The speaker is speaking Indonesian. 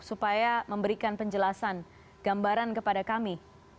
supaya memberikan penjelasan gambaran kepada kami